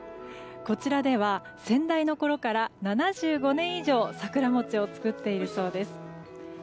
こちらでは先代のころから７５年以上桜餅を作っているそうです。